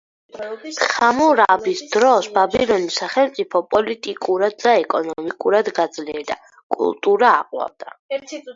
ხამურაბის დროს ბაბილონის სახელმწიფო პოლიტიკურად და ეკონომიკურად გაძლიერდა, კულტურა აყვავდა.